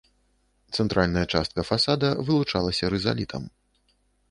Цэнтральная частка фасада вылучалася рызалітам.